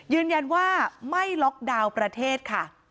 ยืนยันว่าไม่ล็อกดาวน์ประเทศค่ะ